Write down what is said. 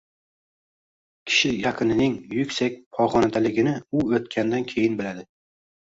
Kishi yaqinining yuksak pog‘onadaligini u o‘tganidan keyin biladi.